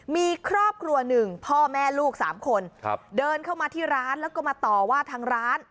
มีครอบครัวหนึ่งพ่อแม่ลูกสามคนเดินเข้ามาที่ร้านแล้วก็มาต่อว่าทางร้าน